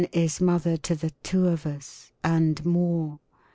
Is mother to the two of us, and more.